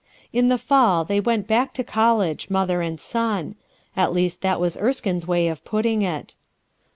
In the fall they went back to college, mother and son. At least that was Erskine's w ay of putting it.